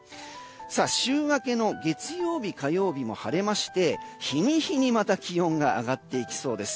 週明けの月曜日、火曜日も晴れまして日に日にまた気温が上がっていきそうです。